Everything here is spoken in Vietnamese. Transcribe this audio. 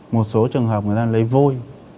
một số trường hợp người ta lấy vôi